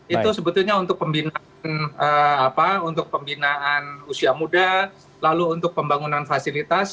itu sebetulnya untuk pembinaan usia muda lalu untuk pembangunan fasilitas